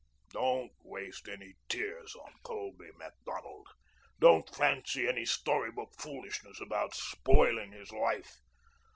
Don't waste any tears on Colby Macdonald. Don't fancy any story book foolishness about spoiling his life.